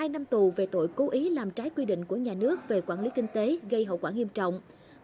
một mươi năm tù về tội cố ý làm trái quy định của nhà nước về quản lý kinh tế gây hậu quả nghiêm trọng